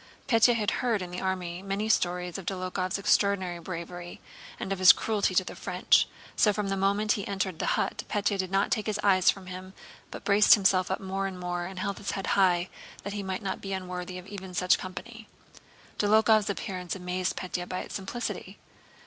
Pétya had heard in the army many stories of Dólokhov's extraordinary bravery and of his cruelty to the French, so from the moment he entered the hut Pétya did not take his eyes from him, but braced himself up more and more and held his head high, that he might not be unworthy even of such company. Dólokhov's appearance amazed Pétya by its simplicity.